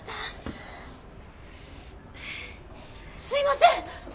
すいません！